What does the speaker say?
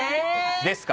ですから。